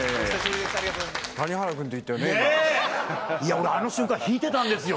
俺あの瞬間引いてたんですよ